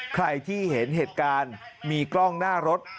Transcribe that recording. ใครที่เห็นเหตุการณ์มีกล้องหน้ารถ